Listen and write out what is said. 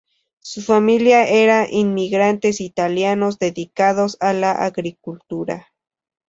Su familia eran inmigrantes italianos dedicados a la agricultura.